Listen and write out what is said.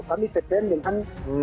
kami tendeli kan